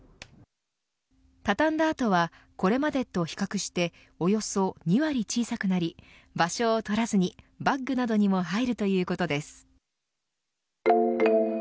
畳んだ後はこれまでと比較しておよそ２割小さくなり場所を取らずにバッグなどにも入るということです。